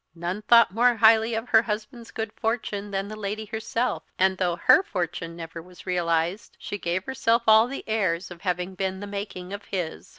None thought more highly of her husband's good fortune than the lady herself; and though her fortune never was realised, she gave herself all the airs of having been the making of his.